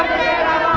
hidup di jaya lama